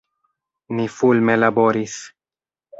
Ni fulme laboris.